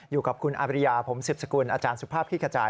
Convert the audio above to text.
อยู่กับคุณอาบริยาผมสิบสกุลอาจารย์สุภาพขี้กระจาย